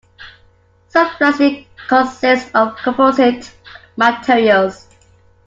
Some plastics consist of composite materials.